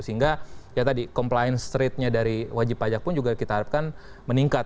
sehingga ya tadi compliance ratenya dari wajib pajak pun juga kita harapkan meningkat